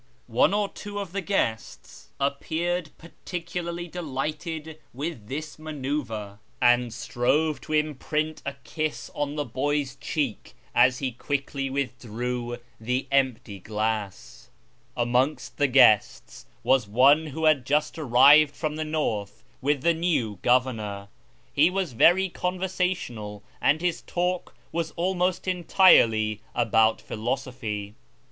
One or two of the guests appeared particularly delii, dited with this manceuvre, and strove to imprint a kiss on the boy's cheek as he quickly withdrew the empty glass. Amongst the guests was one who had just arrived from the north with the new governor. He was very conversa tional, and his talk was almost entirely about philosophy.